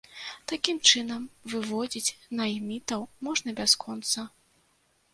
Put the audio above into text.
Такім чынам, выводзіць наймітаў можна бясконца.